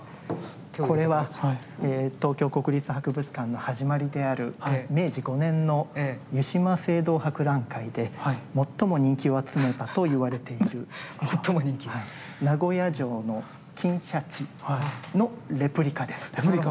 これは東京国立博物館の始まりである明治５年の湯島聖堂博覧会で最も人気を集めたといわれている名古屋城の金鯱のレプリカです。